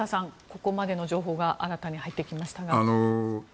ここまでの情報が新たに入ってきましたが。